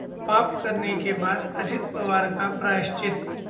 'पाप' करने के बाद अजित पवार का प्रायश्चित!